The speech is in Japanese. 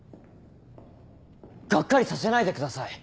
がっかりさせないでください。